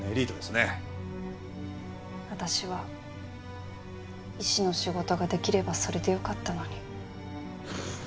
私は医師の仕事ができればそれでよかったのに。